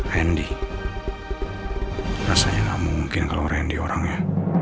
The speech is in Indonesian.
hai mbm di rasanya enggak mungkin kalau randy orangnya